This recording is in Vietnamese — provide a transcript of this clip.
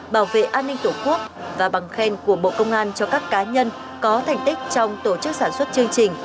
bảo vệ an ninh tổ quốc và bằng khen của bộ công an cho các cá nhân có thành tích trong tổ chức sản xuất chương trình